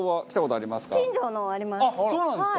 あっそうなんですか？